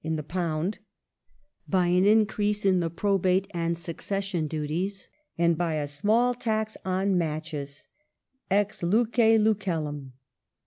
in the £; by an increase in the Probate and Succession Duties ; and by a small tax on matches — ex luce lucellum.